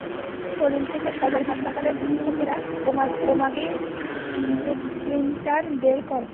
তাঁর শরীর থেকে সদর হাসপাতালের চিকিৎসকেরা বোমার তিনটি স্প্লিন্টার বের করেন।